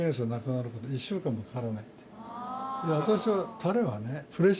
私は。